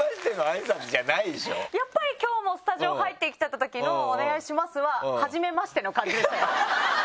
やっぱり今日もスタジオ入ってきたときの「お願いします」は初めましての感じでしたよ。